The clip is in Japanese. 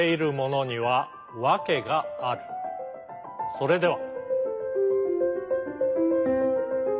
それでは。